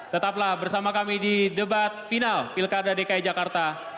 tetaplah bersama kami di debat final pilkada dki jakarta dua ribu tujuh belas